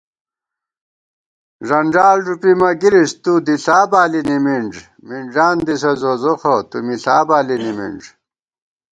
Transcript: ݮنݮال ݫُپی مہ گِرِس، تُو دِݪا بالی نِمِنݮ * منݮان دِسہ زوزوخہ، تُومِݪا بالی نِمِنݮ